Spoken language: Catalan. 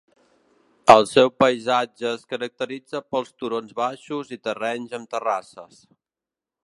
El seu paisatge es caracteritza per turons baixos i terrenys amb terrasses.